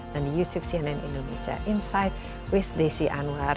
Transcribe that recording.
dan di youtube cnn indonesia insight with desi anwar